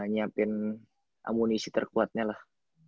nyiapin amunisi terkuatnya lah